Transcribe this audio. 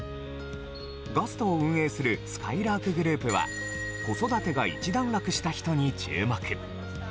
ガストを運営するすかいらーくグループは子育てが一段落した人に注目。